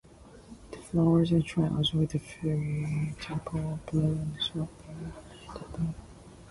The flowers are triads with free tepals below and slightly united above.